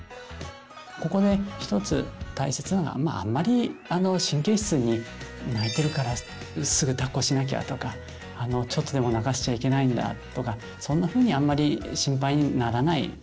ここで一つ大切なのはまああんまり神経質に泣いてるからすぐだっこしなきゃとかちょっとでも泣かしちゃいけないんだとかそんなふうにあんまり心配にならない。